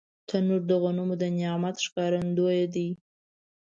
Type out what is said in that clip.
تنور د غنمو د نعمت ښکارندوی دی